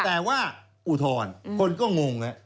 แต่ว่าอุทธรณ์คนก็งง